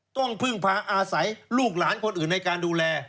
ต้องพึ่งพาอาศัยลูกหลานคนอื่นในการดูแล